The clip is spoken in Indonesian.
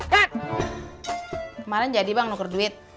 kak kemarin jadi bang nuker duit